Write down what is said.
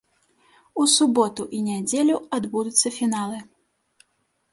У суботу і нядзелю адбудуцца фіналы.